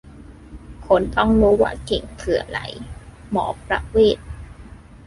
"คนต้องรู้ว่าเข่งคืออะไร : หมอประเวศ"